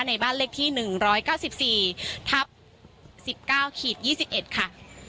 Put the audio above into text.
ในบ้านเลขที่๑๙๔ทับ๑๙๒๑ค่ะ